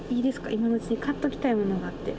今のうちに買っときたいものがあって。